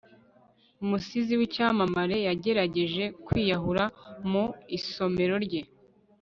umusizi w'icyamamare yagerageje kwiyahura mu isomero rye